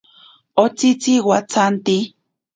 Otsitzi watsanti.